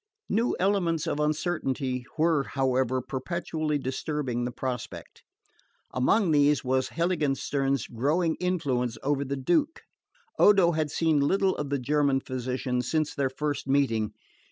New elements of uncertainty were, however, perpetually disturbing the prospect. Among these was Heiligenstern's growing influence over the Duke. Odo had seen little of the German physician since their first meeting.